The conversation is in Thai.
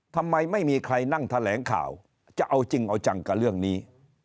ทำไมไม่มีใครนั่งแถลงข่าวจะเอาจริงเอาจังกับเรื่องนี้